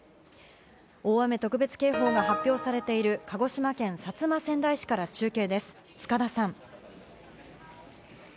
大雨特別警報が発表されている鹿児島県薩摩川内市から中継です、塚田さん。